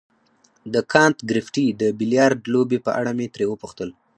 د کانت ګریفي د بیلیارډ لوبې په اړه مې ترې وپوښتل.